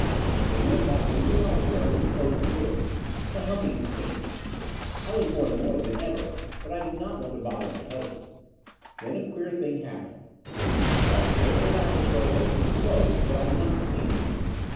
Then he went back into the library and closed the door. The humming continued. I was more annoyed than ever, but I did not want to bother my husband. Then a queer thing happened. I saw the door of the laboratory open and close, but I did not see anyone.